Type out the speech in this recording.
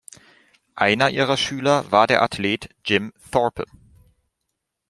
Einer ihrer Schüler war der Athlet Jim Thorpe.